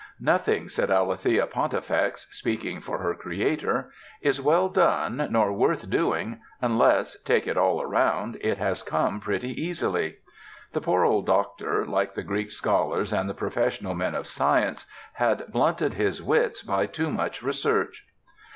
"Nothing," said Alethea Pontifex, speaking for her creator, "is well done nor worth doing unless, take it all round, it has come pretty easily." The poor old doctor, like the Greek scholars and the professional men of science, had blunted his wits by too much research.